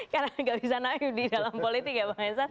karena tidak bisa naif di dalam politik ya pak ngesan